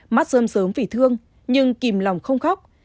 mắt rơm rớm vì thương nhưng kìm lòng không khóc